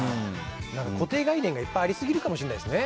固定概念がいっぱいありすぎるかもしれないですね。